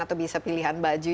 atau bisa pilihan baju